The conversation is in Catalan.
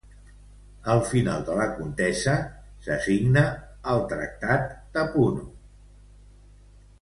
Al final de la contesa, se signa el Tractat de Puno.